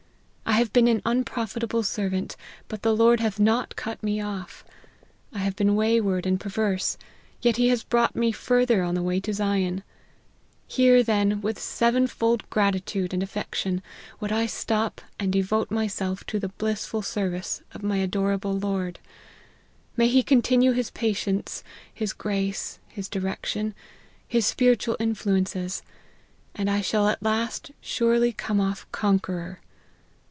I have been an unprofitable servant but the Lord hath not cut me off: I have been wayward and perverse, yet he has brought me further on the way to Zion : here, then, with seven fold gratitude and affection, would I stop and devote myself to the blissful service of my adorable Lord. May he continue his patience, his grace, his direction, his spiritual influences, and I shall at last surely come off* conqueror